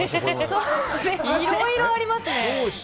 いろいろありますね。